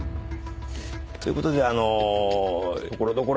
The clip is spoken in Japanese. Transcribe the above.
ということであの。